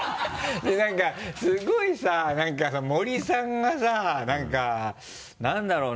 で何かすごいさ何かさ森さんがさ何か何だろうな？